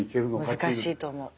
難しいと思う。